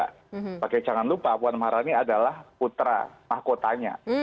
pertanyaan jangan lupa bu anmarani adalah putra mahkotanya